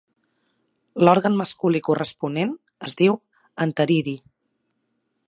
L'òrgan masculí corresponent es diu anteridi.